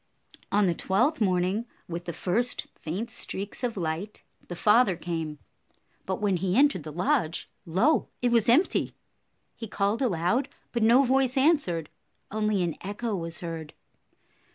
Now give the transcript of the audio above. On the twelfth morning, with the first faint streaks of light, the father came, but when he entered the lodge, lo, it was empty! He called aloud, but no voice answered. Only an echo was heard.